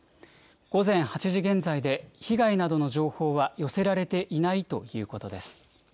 午前８時現在で、被害などの情報は寄せられていないということです。